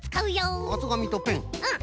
うん。